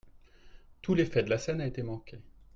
Tout l’effet de la scène a été manqué.